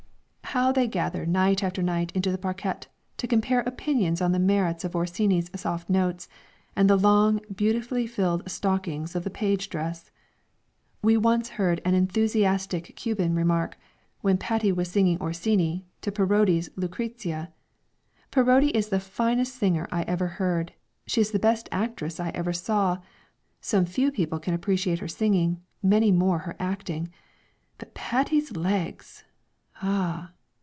How they gather night after night into the parquette, to compare opinions on the merits of Orsini's soft notes, and the long, beautifully filled stockings of the page dress. We once heard an enthusiastic Cuban remark, when Patti was singing Orsini to Parodi's Lucrezia; "Parodi is the finest singer I ever heard, she is the best actress I ever saw; some few people can appreciate her singing, many more her acting; but Patti's legs! Ah!